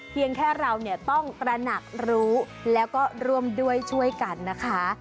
เพียงแค่เราเนี่ยต้องตระหนักรู้แล้วก็ร่วมด้วยช่วยกันนะคะ